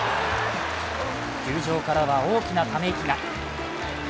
球場からは大きなため息が。